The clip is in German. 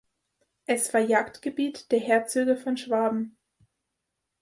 Es war Jagdgebiet der Herzöge von Schwaben.